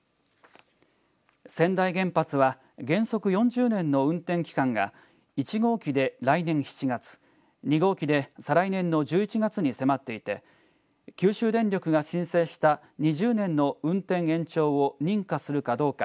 川内原発は原則４０年の運転期間が１号機で来年７月２号機で再来年の１１月に迫っていて九州電力が申請した２０年の運転延長を認可するかどうか。